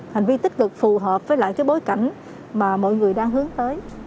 hành vi tích cực phù hợp với lại cái bối cảnh mà mọi người đang hướng tới